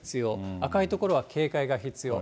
赤い所は警戒が必要。